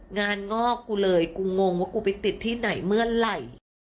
งอกกูเลยกูงงว่ากูไปติดที่ไหนเมื่อไหร่